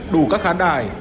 đủ các khán đài